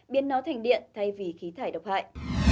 biến nó thành điện thay vì khí thải độc hại